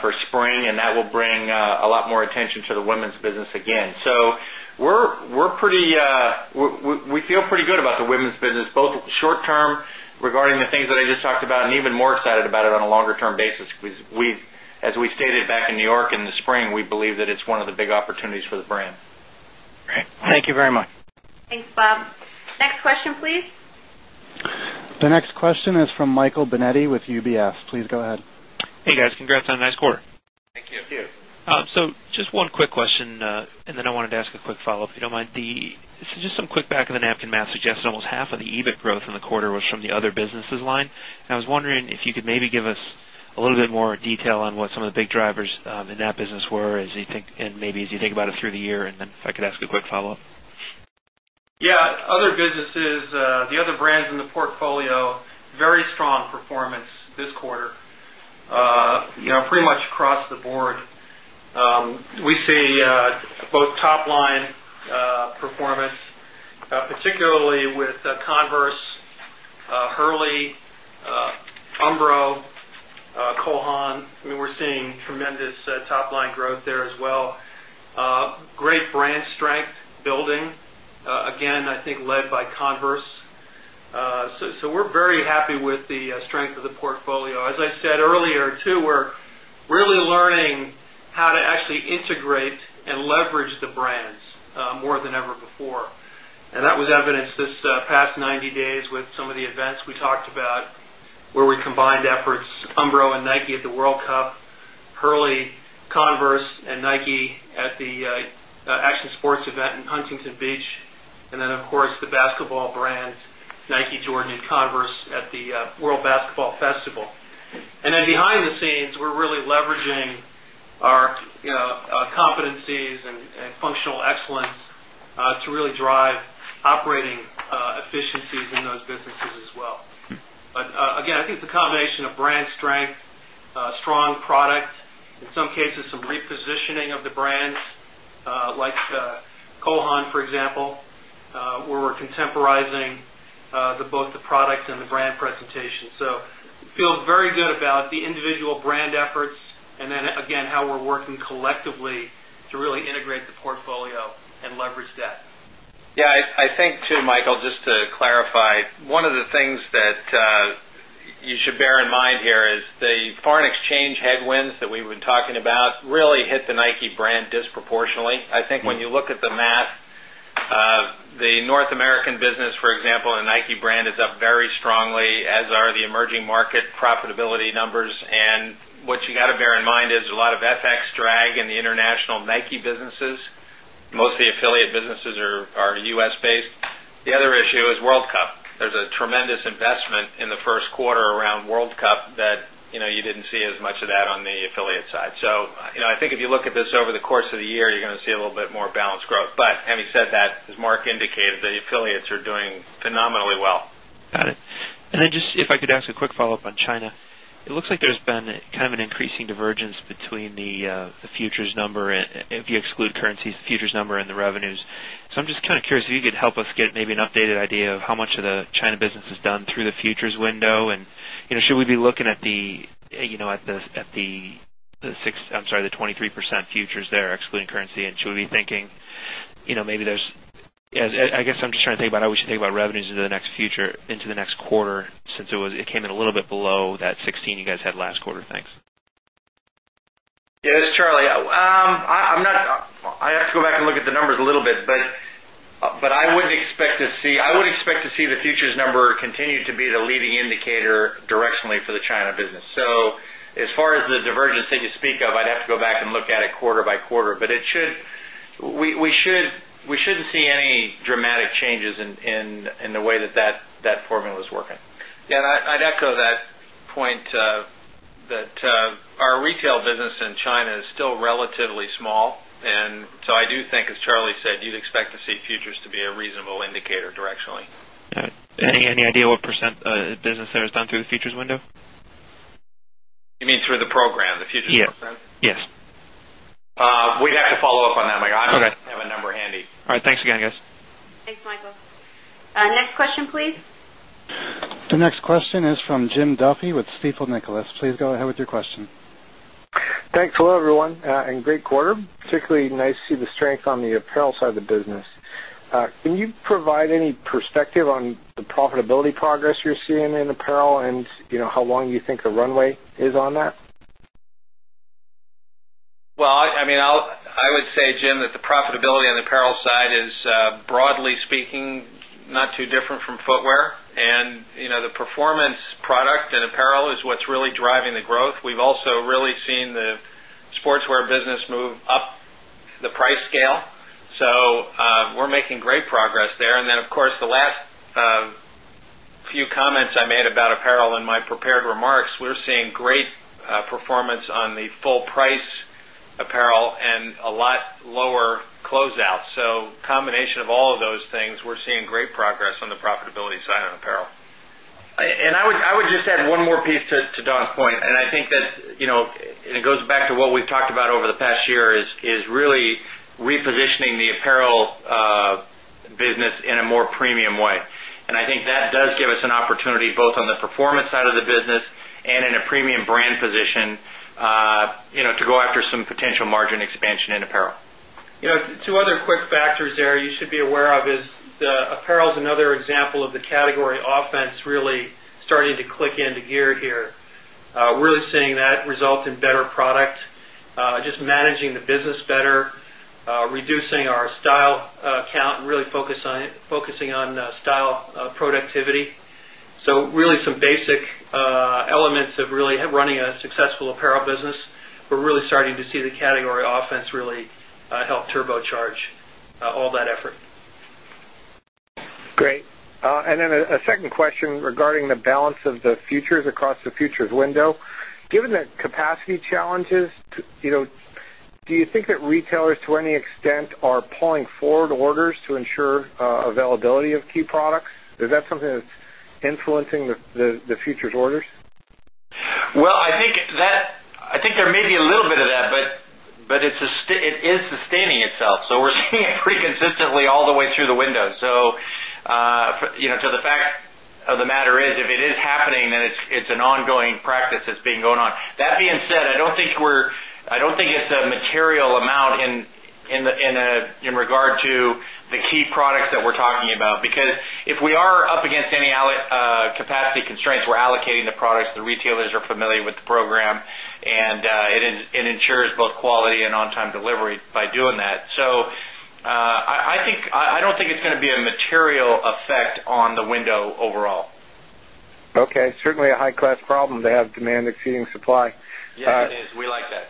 Speaker 6: for spring and that will bring a lot more attention to the women's business again. So we're pretty
Speaker 4: we feel pretty good about
Speaker 6: the women's business, both short term regarding the things that I just talked about and even more excited about it on a longer term basis, because we as we stated back New York in the spring, we believe that it's one of the big opportunities for the brand. Great.
Speaker 12: Thank you very much.
Speaker 2: Thanks, Bob. Next question please.
Speaker 1: The next
Speaker 8: quick question and then I wanted to ask a quick follow-up, if you don't mind. So just some quick back of the napkin math suggests almost half of the EBIT growth in the quarter was from the other businesses line. I was wondering if you could maybe give us a little bit more detail on what some of the big drivers in that business were as you think and maybe as you think about it through the year and then if I could ask a quick follow-up.
Speaker 4: Yes. Other businesses, the other brands in the portfolio, very strong performance this quarter, pretty particularly with Converse, Hurley, Umbro, Cole Haan, I mean, we're seeing tremendous top line growth there as well. Great brand strength building, again, I think led by Converse. So, we're very happy with the strength of the portfolio. As I said earlier too, we're really learning how to actually integrate and leverage the brands more than ever before. And that was evidenced this past 90 days with some of the events we talked about where we combined efforts Umbro and Nike at the World Cup, Hurley, Converse and Nike at the Action Sports event in Huntington Beach and then of course the basketball brand Nike, Jordan and Converse at the World Basketball Festival. And then behind the scenes, we're really leveraging our competencies and
Speaker 5: functional excellence to really drive
Speaker 4: But again, I think it's a combination of brand strength, strong product, in some cases some repositioning of the brands like Cole Haan for example, where we're contemporizing both the product and the brand presentation. So, feel very good about the individual brand efforts and then again how we're working collectively to really integrate the portfolio and leverage that.
Speaker 5: Yes, I think too Michael just to clarify, one of the things that you should bear in mind here is the foreign exchange headwinds that we've been talking about really hit the Nike brand disproportionately. I think when you look at the math, North American business, for example, the Nike brand is up very strongly as are the emerging market profitability numbers. And what you got to bear in mind is lot of FX drag in the international Nike businesses, mostly affiliate businesses are U. S. Based. The other issue is World Cup. There's a tremendous investment in the Q1 around World Cup that you didn't see as much of that on the affiliate side. So I think if you look at this over the course of the year, you're going to see a little bit more balanced growth. But having said that, as Mark indicated, the affiliates are doing phenomenally well.
Speaker 8: Got it. And then just if I could ask a quick follow-up on China. It looks like there's been kind of an increasing divergence between the futures number and if you exclude currencies futures number and the revenues. So I'm just kind of curious if you could help us get maybe an updated idea of how much of the China business is done through the futures window? And should we be looking at the 63% futures there excluding currency? And should we thinking maybe there's I guess, I'm just trying to think about how we should think about revenues into the next future into the next quarter since it came in a little bit below that 16 you guys had last quarter? Thanks.
Speaker 6: Yes, this is Charlie. I'm not I have to go back and look at the numbers a little bit, but
Speaker 5: I wouldn't expect to see I would expect
Speaker 6: to see the futures number continue to be the leading indicator directionally for the China business. So as far as the divergence that you speak of, I'd have to go back and look at it quarter by quarter, but it should we shouldn't any dramatic changes in the way that that formula is working.
Speaker 5: Yes. And I'd echo that point that our retail business in China is still relatively small. And so I do think as Charlie said, you'd expect to see futures to be a reasonable indicator directionally.
Speaker 8: Any idea what percent of business there is done through the futures window?
Speaker 5: You mean through the program, the futures? Yes.
Speaker 6: We'd have to follow-up on that, I don't have a number handy.
Speaker 8: All right. Thanks again, guys.
Speaker 2: Thanks, Michael. Next question please.
Speaker 1: The next question is from Jim Duffy with Stifel Nicolaus. Please go ahead with your question.
Speaker 3: Thanks. Hello everyone and great quarter. Particularly nice to see the strength on the apparel side of the business. Can you provide any perspective on the profitability progress you're seeing in apparel and how long you think the runway is on that?
Speaker 5: Well, I mean, I would say, Jim, that the profitability on the apparel side is broadly really seen the sportswear business move up the price scale. So, we're making great progress And then of course the last few comments I made about apparel in my prepared remarks, we're seeing great performance on the full price
Speaker 6: apparel and a lot lower closeouts. Profitability
Speaker 5: side progress on the profitability side on apparel. And I would just add
Speaker 4: one more piece to Don's point.
Speaker 6: And I think that and it goes back to what we've talked about over the past year is really repositioning the apparel business in a more premium way. And I think that does give us an opportunity both on the performance side of the business and in a premium brand position to go after some potential margin expansion in apparel.
Speaker 4: Two other quick factors there you should be aware of is apparel is another example of the category offense really starting to click into gear here. Really seeing that result in better product, just managing the business better, reducing our style count and really focusing on style productivity. So really some basic elements of really running a successful apparel business. We're really starting to the category offense really help turbocharge all that effort.
Speaker 3: Great. And then a second question regarding the balance of the futures across the futures window. Given the capacity challenges, do you think that retailers to any extent are pulling forward orders to ensure availability of key products? Is that something that's influencing the futures orders?
Speaker 6: Well, I think that I think there may be a little bit of that, but it is sustaining itself. So we're seeing it pretty consistently all the way through the window. So to the fact of the matter is, if it is happening, then it's an ongoing practice that's being going on. That being said, I don't think we're I don't think it's a material amount in regard to the key products that we're talking about, because if we are up against any capacity constraints, we're allocating the products, the retailers are familiar with the program and it ensures both quality and on time delivery by doing that. So I think I don't think it's going to be a material effect on the window overall.
Speaker 3: Okay. Certainly a high class problem to have demand exceeding supply.
Speaker 6: Yes, it is. We like that.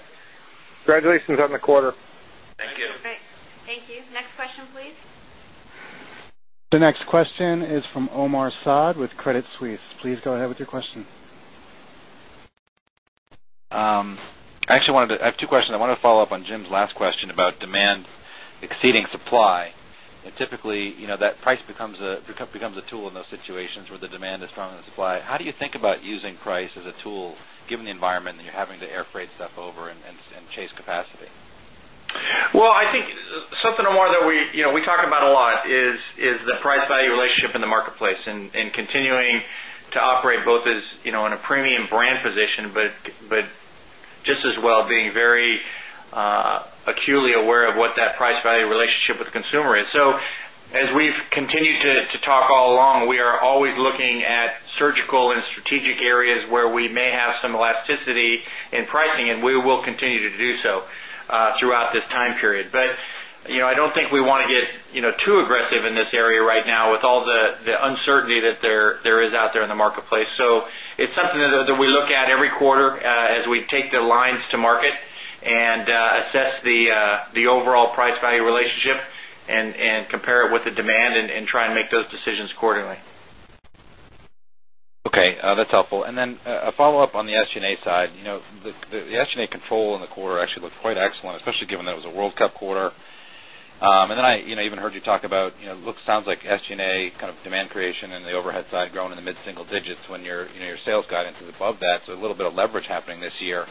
Speaker 3: Congratulations on the quarter.
Speaker 8: Thank you.
Speaker 2: Thank you. Next question please.
Speaker 3: The next
Speaker 1: question is from Omar Saad with Credit Suisse. Please go ahead
Speaker 3: with your question.
Speaker 7: Actually I have 2 questions. I want
Speaker 13: to follow-up on Jim's last question about demand exceeding supply. Typically that price becomes a tool in those situations where the demand is stronger than supply. How do you think about using price as a tool given the environment that you're having to airfreight stuff over and chase capacity?
Speaker 4: Well, I think something or
Speaker 6: more that we talk about a lot is the price value relationship in the marketplace and continuing to operate both as on a premium brand position, but just as well-being very acutely aware of what that price value relationship with consumer is. So as we've continued to talk all along, we are always looking at surgical and strategic areas where we may have some elasticity in pricing and we will continue to do so throughout this time period. But I think we want to get too aggressive in this area right now with all the uncertainty that there is out there in the marketplace. So it's something that we look at every quarter as we take the lines to market and assess the overall price value relationship and compare it with the demand and try and make those decisions accordingly.
Speaker 13: Okay, that's helpful. And then a follow-up on the SG A side, the SG and A control in the quarter actually looked quite excellent, especially given that it was a World Cup quarter. And then I even heard you talk about, it looks sounds like SG and A kind of demand creation and the overhead side growing in the mid single digits when your sales guidance is above that, so a little bit of leverage happening this year.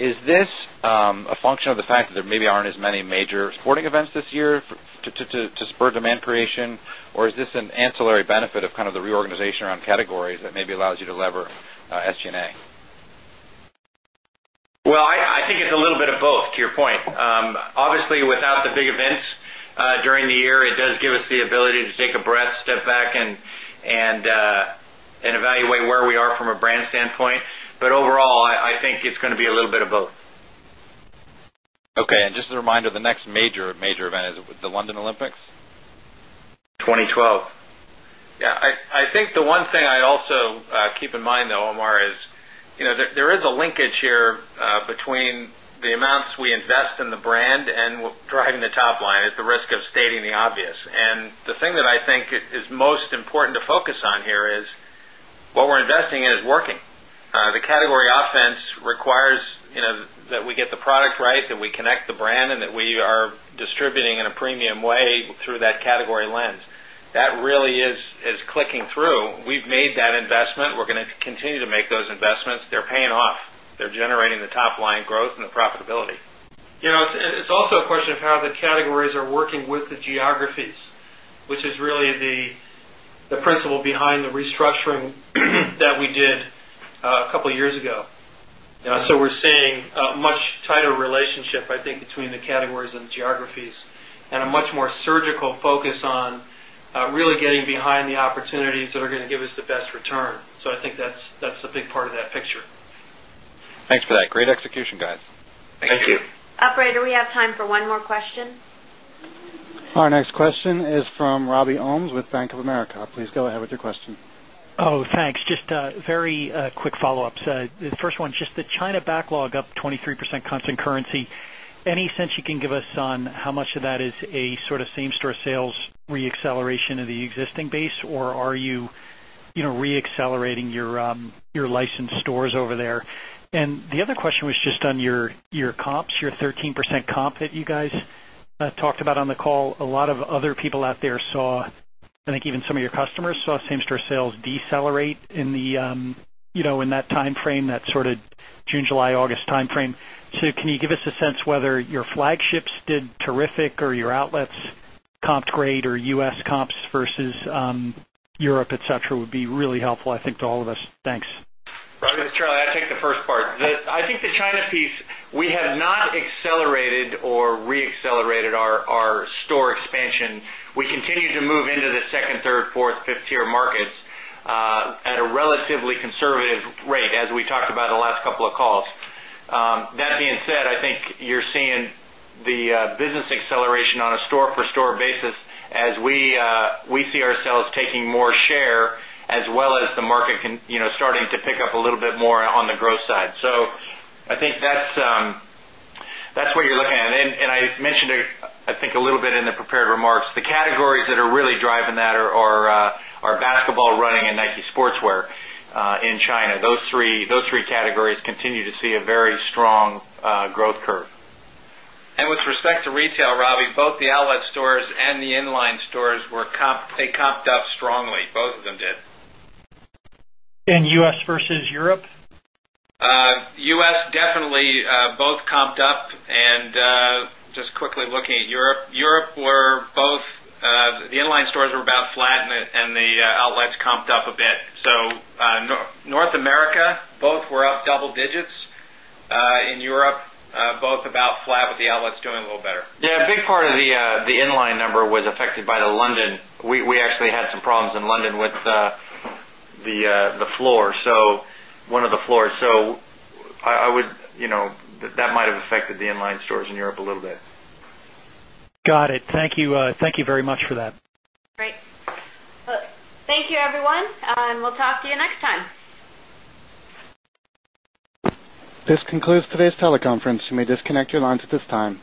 Speaker 13: Is this a function of the fact that there maybe aren't as many major sporting events this year to spur demand creation or is this an ancillary benefit of kind of the reorganization around categories that maybe allows you to lever SG and A?
Speaker 6: Well, I think it's a little bit of both to your point. Obviously, without the events during the year, it does give us the ability to take a breath, step back and evaluate where we are from a brand standpoint. But overall, I think it's going to be a little bit of both.
Speaker 13: Okay. And just a reminder, the next major event is with the London Olympics?
Speaker 8: 2012.
Speaker 5: Yes. I think the one thing I'd also keep in mind though, Omar, is there is a linkage here between the amounts we invest in the brand and driving the top line at the risk of stating the obvious. And the premium get the product right, that we connect the brand and that we are distributing in a premium way through that category lens. That really is clicking through.
Speaker 3: We've made that investment.
Speaker 5: We're going to continue to make those investments. They're paying off. They're generating the top line growth and
Speaker 6: the profitability. It's also a
Speaker 4: question of how the categories are working with the geographies, which is really the principle behind the restructuring that we did a couple of years ago. So we're seeing a much tighter relationship I think between the categories and geographies and a much more surgical focus on really getting behind the opportunities that are going to give us the best return. So I think that's a big part of that picture.
Speaker 13: Thanks for that. Great execution, guys.
Speaker 8: Thank you.
Speaker 2: Operator, we have time for one more question.
Speaker 1: Our next question is from Robbie Ohmes with Bank of America. Please go ahead with your question.
Speaker 14: Thanks. Just very quick follow ups. The first one, just the China backlog up 23% constant currency. Any sense you can give us on how much of that is a sort of same store sales reacceleration of the existing base? Or are you reaccelerating your licensed stores over there? And the other question was just on your comps, your 13% comp that you guys talked about on the call. A lot of other people out there saw, I think even some of your customers saw same store sales decelerate in that timeframe that sort of June, July, August timeframe. So can you give us a sense whether your flagships did terrific or your outlets comped great or U. S. Comps versus Europe, etcetera, would be really helpful, I think, to all of us? Thanks.
Speaker 6: Rod, it's Charlie. I'll take the first part. I think the China piece, we have not accelerated or reaccelerated our store expansion. We continue to move into the 2nd, 3rd, 4th, 5th tier markets at a relatively conservative rate as we talked about in the last couple of calls. That being said, I think you're seeing the business acceleration on a store per store basis as we see ourselves that's what you're looking at. And I mentioned, I think a little bit in the prepared remarks, the categories that are really driving that are basketball running and Nike sportswear in China. Those three categories continue to see a very strong growth curve.
Speaker 5: And with respect to retail, Robbie, both the outlet stores and the inline stores were comped they comped up strongly, both of them did.
Speaker 14: And U. S. Versus Europe?
Speaker 5: U. S. Definitely both comped up and just quickly looking at Europe. Europe were both the inline stores were about flat and the outlets comped up a bit. So North America, both were up double digits, in Europe both about flat with the outlets doing a little better.
Speaker 6: Yes, a big part of the in line number was affected by the London. We actually had some problems in London with the floor. So one of the floors. So I would that might have affected the inline stores in Europe a little bit.
Speaker 14: Got it. Thank you. Thank you very much for that.
Speaker 2: Great. Thank you, everyone. We'll talk to you
Speaker 1: next time. This concludes today's teleconference. You may disconnect your lines at this time.